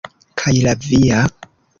Kaj la via?